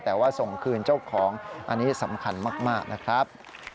แต่ว่าส่งคืนเจ้าของอันนี้สำคัญมากนะครับ